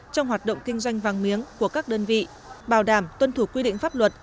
trong hoạt động kinh doanh vàng miếng của các đơn vị bảo đảm tuân thủ quy định pháp luật